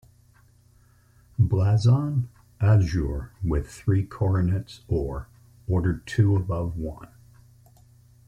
Blazon: Azure, with three coronets Or, ordered two above one.